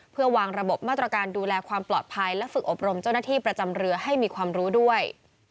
เพื่อวางระบบมาตรการดูแลความปลอดภัยและฝึกอบรมเจ้าหน้าที่ประจำเรือให้มีความรู้ด้วย